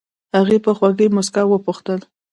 هغې په خوږې موسکا وپوښتل.